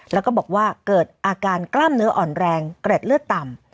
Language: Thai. แล้วก็บอกว่าเกิดอาการกล้ามเนื้ออ่อนแรงเกร็ดเลือดต่ำ